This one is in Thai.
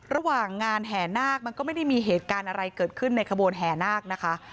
ระหว่างงานแห่นาคมันก็ไม่ได้มีเหตุการณ์อะไรเกิดขึ้นในขบวนแห่นาคนะคะ